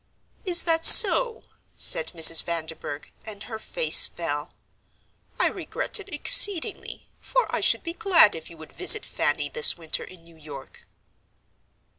"Is that so?" said Mrs. Vanderburgh, and her face fell; "I regret it exceedingly, for I should be glad if you would visit Fanny this winter in New York."